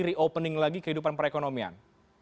reopening lagi kehidupan perekonomian